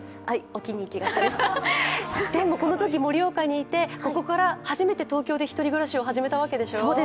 でもこのとき盛岡にいて、ここから初めて東京でひとり暮らしを始めたわけでしょ？